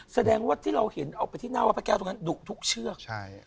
แสดงว่าที่เราเห็นเอาไปที่หน้าวัดพระแก้วตรงนั้นดุทุกเชือก